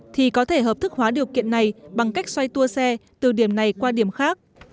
thì có thể hợp thức hóa điều kiện này bằng cách xoay tua xe từ điểm này qua điểm khác